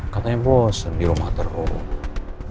katanya bos di rumah terus